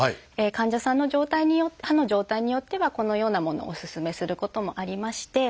患者さんの状態歯の状態によってはこのようなものをおすすめすることもありまして。